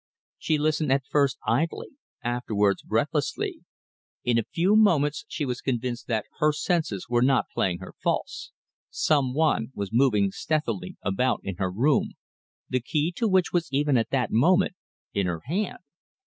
She listened at first idly, afterwards breathlessly. In a few moments she was convinced that her senses were not playing her false. Some one was moving stealthily about in her room, the key to which was even at that moment in her hand.